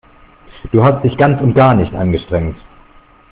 Du hast dich ganz und gar nicht angestrengt.